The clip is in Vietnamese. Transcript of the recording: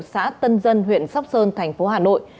xã tân dân huyện sóc sơn thành phố hà nội